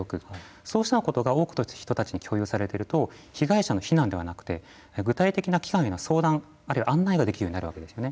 そうしたことが多くの方たちに知っていただくと被害者の非難ではなくて具体的な機関への相談あるいは案内ができるようになるわけですね。